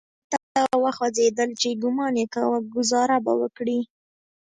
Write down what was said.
نو هغه ځای ته وخوځېدل چې ګومان يې کاوه ګوزاره به وکړي.